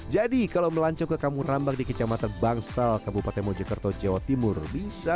jadi kalau melancong ke kamurambak di kecamatan bangsal kabupaten mojokerto jawa timur bisa